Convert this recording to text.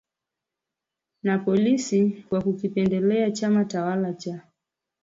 na polisi kwa kukipendelea chama tawala cha